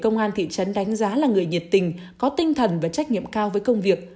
công an thị trấn đánh giá là người nhiệt tình có tinh thần và trách nhiệm cao với công việc